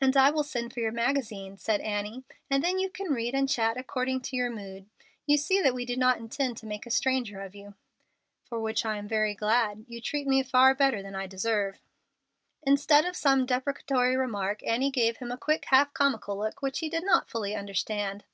"And I will send for your magazine," said Annie, "and then you can read and chat according to your mood. You gee that we do not intend to make a stranger of you." "For which I am very glad. You treat me far better than I deserve." Instead of some deprecatory remark, Annie gave him a quick, half comical look which he did not fully understand.